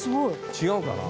違うかな？